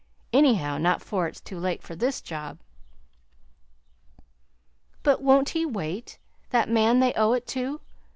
Anyhow, not 'fore it's too late for this job." "But won't he wait? that man they owe it to?